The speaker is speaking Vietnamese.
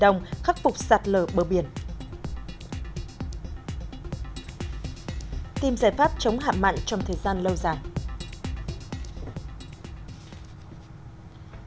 tìm giải pháp chống hạm mạnh trong thời gian lâu dài